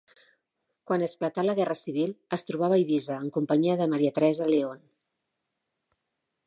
Quan esclatà la guerra civil es trobava a Eivissa en companyia de Maria Teresa León.